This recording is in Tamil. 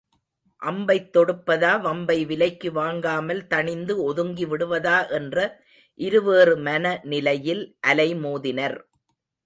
அம்பைத் தொடுப்பதா வம்பை விலைக்கு வாங்காமல் தணிந்து ஒதுங்கி விடுவதா என்ற இருவேறு மன நிலையில் அலைமோதினர்.